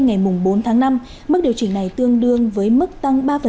ngày bốn tháng năm mức điều chỉnh này tương đương với mức tăng ba